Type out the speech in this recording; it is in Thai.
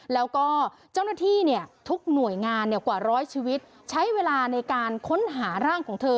แล้วก็เจ้าหน้าที่ทุกหน่วยงานกว่าร้อยชีวิตใช้เวลาในการค้นหาร่างของเธอ